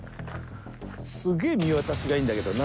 すげえ見渡しがいいんだけどな。